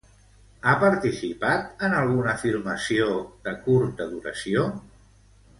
Ha participat en alguna filmació de curta duració?